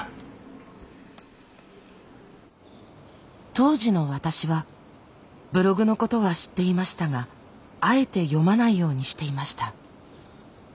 当時の私はブログのことは知っていましたがあえて読まないようにしていました。